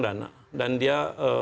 dana dan dia